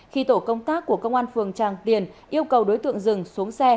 khi tổ công tác của công an phường tràng tiền yêu cầu đối tượng dừng xuống xe